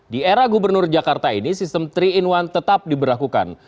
di era gubernur jakarta ini sistem tiga in satu tetap diberlakukan